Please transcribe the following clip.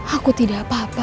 aku tidak apa apa